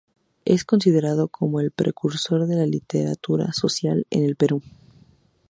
Es considerado como el precursor de la literatura social en el Perú.